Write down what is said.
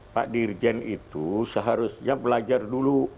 pak dirjen itu seharusnya belajar dulu